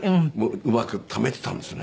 うまくためてたんですね。